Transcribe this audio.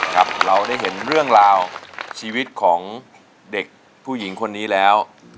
ครับเราได้เห็นเรื่องราวชีวิตของเด็กผู้หญิงคนนี้แล้ว